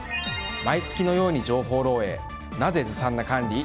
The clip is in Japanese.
毎月のように情報漏洩なぜずさんな管理？